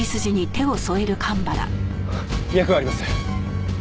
脈はあります。